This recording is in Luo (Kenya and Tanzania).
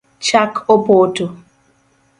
Chak opoto